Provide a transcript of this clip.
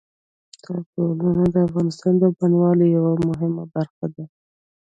تالابونه د افغانستان د بڼوالۍ یوه مهمه برخه ده.